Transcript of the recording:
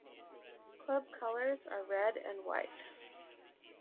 Club colors are red and white.